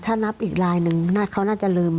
ถ้านับอีกลายหนึ่งเขาน่าจะลืม